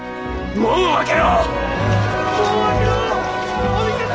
門を開けろ！